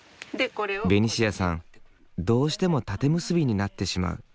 ベニシアさんどうしても縦結びになってしまう。